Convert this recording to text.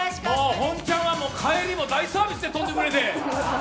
本チャンは帰りも大サービスで飛んでくれて。